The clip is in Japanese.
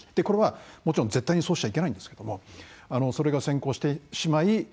これはもちろん絶対にそうしちゃいけないんですけどもそれが先行してしまい